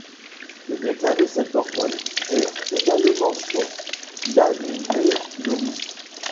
Le déclin de cette hormone est également source d'anhédonie.